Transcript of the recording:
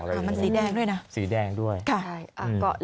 มันสีแดงด้วยนะสีแดงด้วย